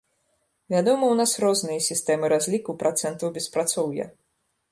Вядома, у нас розныя сістэмы разліку працэнтаў беспрацоўя.